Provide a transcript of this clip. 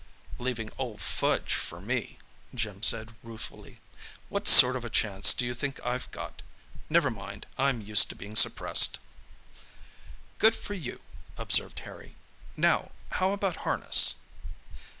"Leaving old Fudge for me," Jim said ruefully. "What sort of a chance do you think I've got? Never mind, I'm used to being suppressed." "Good for you," observed Harry. "Now, how about harness?"